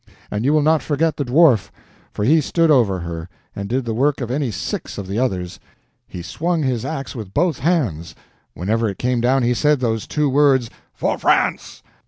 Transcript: And you will not forget the Dwarf. For he stood over her, and did the work of any six of the others. He swung his ax with both hands; whenever it came down, he said those two words, "For France!"